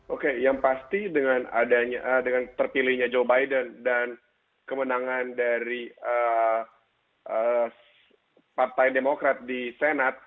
oke yang pasti dengan terpilihnya joe biden dan kemenangan dari partai demokrat di senat